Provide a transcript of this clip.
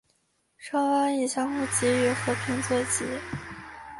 双方以相互给予和平作结。